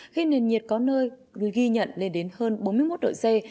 khi nền nhiệt có nơi ghi nhận lên đến hơn bốn mươi một độ c